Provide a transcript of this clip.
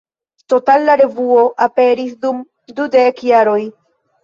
Totale la revuo aperis dum dudek jaroj.